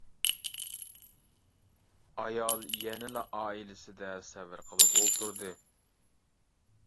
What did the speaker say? ئايال يەنىلا ئائىلىسىدە سەۋر قىلىپ ئولتۇردى.